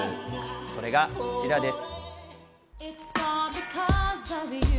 それがこちらです。